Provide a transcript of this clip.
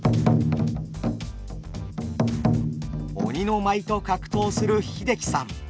鬼の舞と格闘する英樹さん